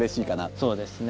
そうですね。